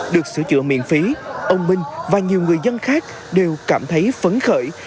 được sửa chữa miễn phí ông minh và nhiều người dân khác đều cảm thấy phấn khởi